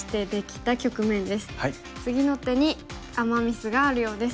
次の手にアマ・ミスがあるようです。